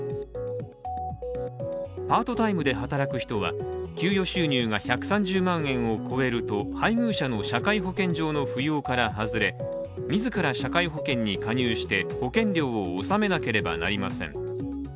パートタイムで働く人は給与収入が１３０万円を超えると配偶者の社会保険上の扶養から外れ自ら社会保険に加入して保険料を納めなければなりません。